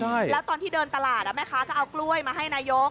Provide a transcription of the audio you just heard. ใช่แล้วตอนที่เดินตลาดแม่ค้าก็เอากล้วยมาให้นายก